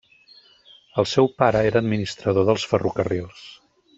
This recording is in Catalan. El seu pare era administrador dels ferrocarrils.